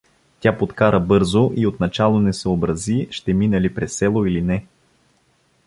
Тя подкара бързо и отначало не съобрази ще мине ли през село или не.